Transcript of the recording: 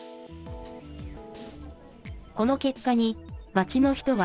この結果に、町の人は。